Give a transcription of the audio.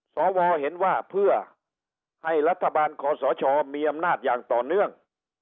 สวเห็นว่าเพื่อให้รัฐบาลคอสชมีอำนาจอย่างต่อเนื่อง